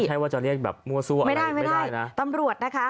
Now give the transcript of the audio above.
ใช่ว่าจะเรียกแบบมั่วซั่วอะไรไม่ได้นะตำรวจนะคะ